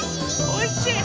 おいしい？